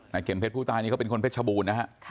เข็มเพชรผู้ตายนี่เขาเป็นคนเพชรชบูรณ์นะฮะ